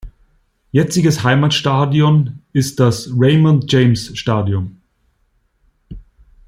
Jetziges Heimatstadion ist das Raymond James Stadium.